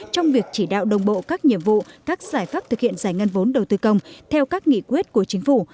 trong việc chỉ đạo đồng bộ các nhiệm vụ các giải pháp thực hiện giải ngân vốn đầu tư công theo các nghị quyết của chính phủ